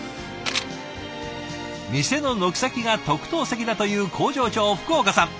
店の軒先が特等席だという工場長福岡さん。